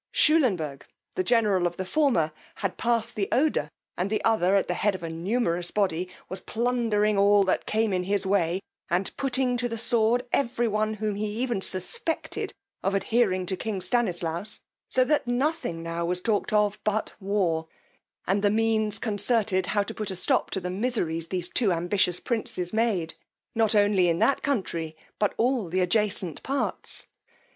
Shullenburgh, the general of the former, had passed the Oder; and the other, at the head of a numerous body, was plundering all that came in his way, and putting to the sword every one whom he even suspected of adhering to king Stanislaus: so that nothing now was talked of but war, and the means concerted how to put a stop to the miseries these two ambitious princes made, not only in that country, but all the adjacent parts.